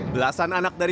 tiga dua satu mulai